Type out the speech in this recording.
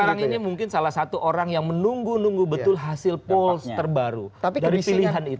sekarang ini mungkin salah satu orang yang menunggu nunggu betul hasil polse terbaru dari pilihan itu